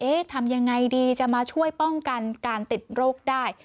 ทำยังไงดีจะมาช่วยป้องกันการติดโรคได้